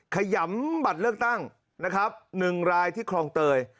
ขยำบัตรเลือกตั้งนะครับ๑รายที่คลองเตย